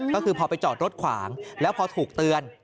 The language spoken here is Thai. ก็คือพอไปจอดรถขวางแล้วพอถูกเตือน